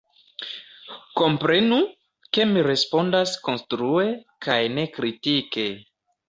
Komprenu, ke mi respondas konstrue kaj ne kritike.